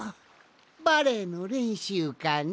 バレエのれんしゅうかね？